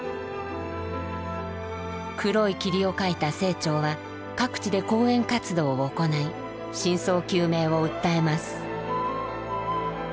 「黒い霧」を書いた清張は各地で講演活動を行い真相究明を訴えます。